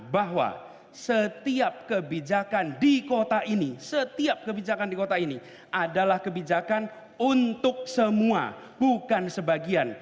bahwa setiap kebijakan di kota ini setiap kebijakan di kota ini adalah kebijakan untuk semua bukan sebagian